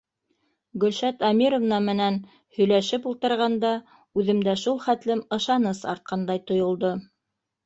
Гөлшат Әмировна менән һөйләшеп ултырғанда үҙемдә шул хәтлем ышаныс артҡандай тойолдо.